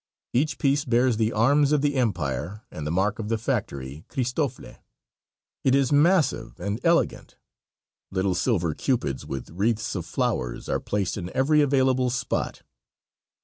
Each piece bears the arms of the empire and the mark of the factory "Cristofle." It is massive and elegant; little silver cupids with wreaths of flowers are placed in every available spot.